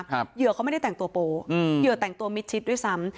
เหยื่อเขาไม่ได้แต่งตัวโปอืมเหยื่อแต่งตัวมิดชิดด้วยซ้ำ